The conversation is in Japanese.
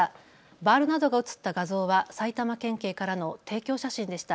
バールなどが写った画像は埼玉県警からの提供写真でした。